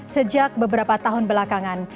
sejak beberapa tahun belakangan